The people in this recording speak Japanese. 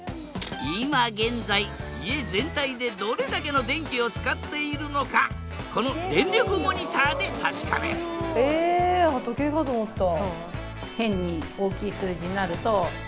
今現在家全体でどれだけの電気を使っているのかこの電力モニターで確かめるえ時計かと思った。